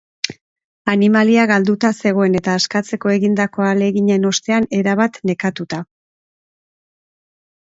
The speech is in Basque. Animalia galduta zegoen, eta askatzeko egindako ahaleginen ostean erabat nekatuta.